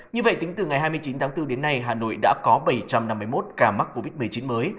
như vậy tính từ ngày hai mươi chín tháng bốn đến nay hà nội đã có bảy trăm năm mươi một ca mắc covid một mươi chín mới